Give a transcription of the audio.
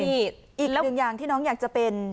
อีกเนื่องยังที่น้องอยากจะเป็นมิถ๑๘๙๐กว่า